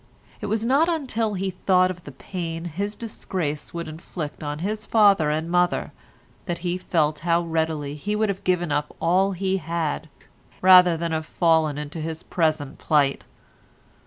It was not until he thought of the pain his disgrace would inflict on his father and mother that he felt how readily he would have given up all he had, rather than have fallen into his present plight.